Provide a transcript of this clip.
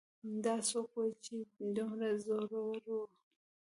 دا څوک و چې دومره زړور و